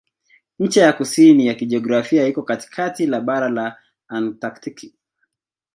Ncha ya kusini ya kijiografia iko katikati ya bara la Antaktiki.